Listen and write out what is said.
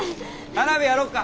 花火やろっか！